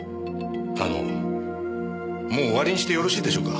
あのもう終わりにしてよろしいでしょうか。